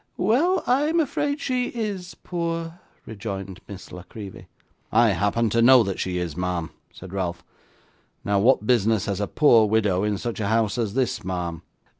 'Well, I'm afraid she IS poor,' rejoined Miss La Creevy. 'I happen to know that she is, ma'am,' said Ralph. 'Now, what business has a poor widow in such a house as this, ma'am?